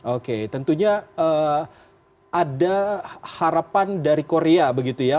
oke tentunya ada harapan dari korea begitu ya